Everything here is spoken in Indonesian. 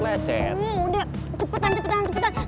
cepetan cepetan cepetan